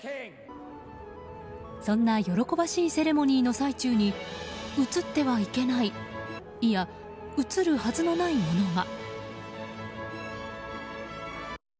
そんな喜ばしいセレモニーの最中に映ってはいけないいや、映るはずのないものが。